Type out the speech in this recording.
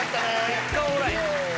・結果オーライ。